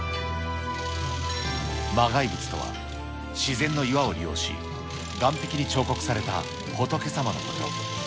磨崖仏とは自然の岩を利用し、岸壁に彫刻された仏様のこと。